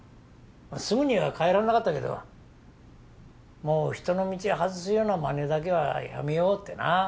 すぐには変えられなかったけどもう人の道外すような真似だけはやめようってな。